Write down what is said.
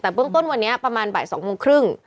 แต่เบื้องต้นวันนี้ประมาณบ่าย๒โมงครึ่ง